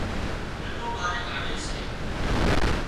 ڏلو ٻاري ڪاڍي سي